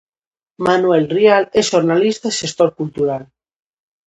Manuel Rial é xornalista e xestor cultural.